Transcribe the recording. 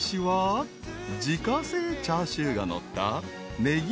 ［自家製チャーシューがのった］